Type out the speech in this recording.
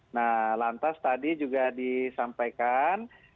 nah lantas tadi juga disampaikan